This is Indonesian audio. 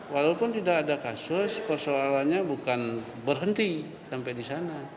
walaupun tidak ada kasus persoalannya bukan berhenti sampai di sana